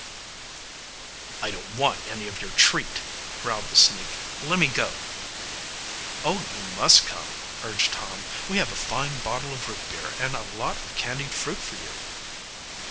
"I don't want any of your treat," growled the sneak. "Let me go." "Oh, you must come," urged Tom. "We have a fine bottle of root beer and a lot of candied fruit for you."